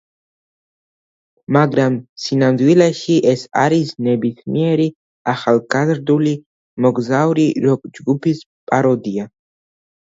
მაგრამ სინამდვილეში ეს არის ნებისმიერი ახალგაზრდული მოგზაური როკ ჯგუფის პაროდია.